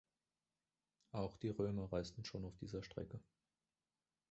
Auch die Römer reisten schon auf dieser Strecke.